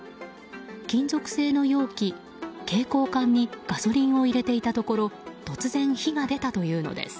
金属製の容器、携行缶にガソリンを入れていたところ突然、火が出たというのです。